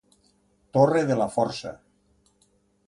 Torre de la força